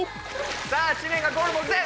さあ知念がゴール目前！